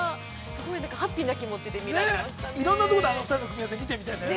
すごいハッピーな気持ちでみられましたね。